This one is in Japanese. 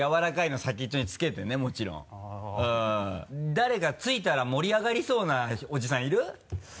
誰か突いたら盛り上がりそうなおじさんいる？